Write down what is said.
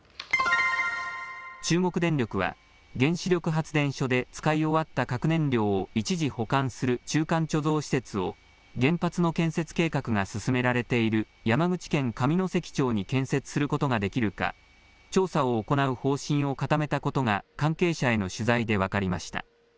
中国電力は原子力発電所で使い終わった核燃料を一時保管する中間貯蔵施設を原発の建設計画が進められている山口県上関町に建設することができるか調査を行う方針を固めたことが関係者への取材で分かりました。